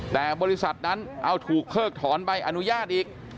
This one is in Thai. แต่บริษัทนั้นเอาถูกเพิกถอนใบอนุญาตอีก